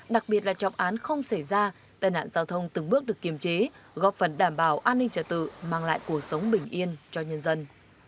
đặc biệt là trọng án không xảy ra tai nạn giao thông từng bước được kiềm chế góp phần đảm bảo an ninh trả tự mang lại cuộc sống bình yên cho nhân dân